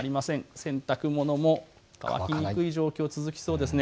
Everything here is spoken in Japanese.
洗濯物も乾きにくい状況が続きそうです。